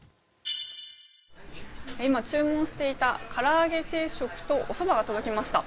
今、注文していたから揚げ定食とおそばが届きました。